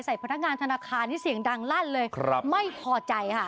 พนักงานธนาคารที่เสียงดังลั่นเลยครับไม่พอใจค่ะ